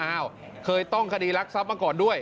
อ้าวเคยต้องคดีรักษัพมาก่อนด้วย